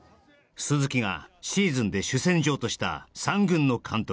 鈴木がシーズンで主戦場とした３軍の監督